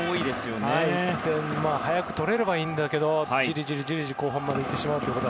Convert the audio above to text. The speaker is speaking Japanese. １点を早く取れればいいんだけどじりじり後半まで行ってしまう。